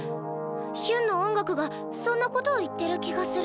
ヒュンの音楽がそんな事を言ってる気がする。